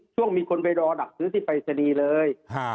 ช่วงมีคนไปรอดับซื้อที่ฝ่ายศนีเลย